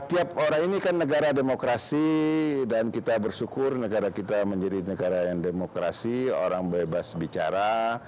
tiap orang ini kan negara demokrasi dan kita bersyukur negara kita menjadi negara yang demokrasi orang bebas bicara